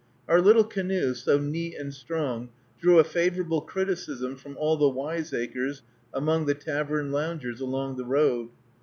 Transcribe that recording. Our little canoe, so neat and strong, drew a favorable criticism from all the wiseacres among the tavern loungers along the road.